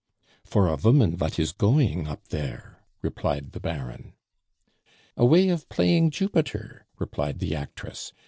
"For a voman vat is going up there," replied the Baron. "A way of playing Jupiter?" replied the actress.